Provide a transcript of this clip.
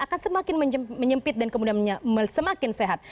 akan semakin menyempit dan kemudian semakin sehat